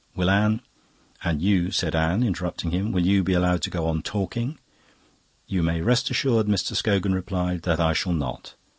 Will Anne..." "And you," said Anne, interrupting him, "will you be allowed to go on talking?" "You may rest assured," Mr. Scogan replied, "that I shall not.